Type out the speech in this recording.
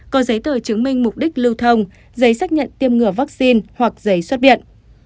có giấy tờ chứng minh mục đích lưu thông giấy xác nhận tiêm ngừa vaccine hoặc giấy xuất viện